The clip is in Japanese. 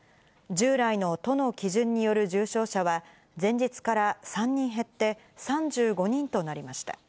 従来の都の基準による重症者は、前日から３人減って３５人となりました。